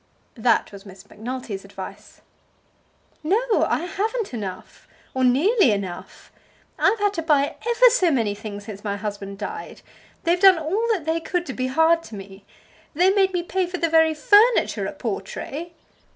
That was Miss Macnulty's advice. "No; I haven't enough; or nearly enough. I've had to buy ever so many things since my husband died. They've done all they could to be hard to me. They made me pay for the very furniture at Portray."